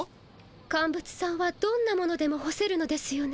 カンブツさんはどんなものでも干せるのですよね？